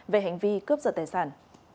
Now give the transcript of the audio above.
về hành vi cướp giật tài sản